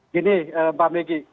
gini pak megi